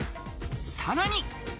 さらに。